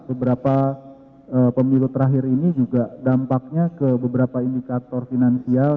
beberapa pemilu terakhir ini juga dampaknya ke beberapa indikator finansial